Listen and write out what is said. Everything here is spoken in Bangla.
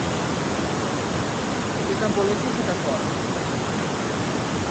যেটা বলেছি সেটা কোর।